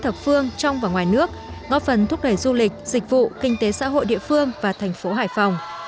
phương và thành phố hải phòng